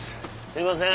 すいません。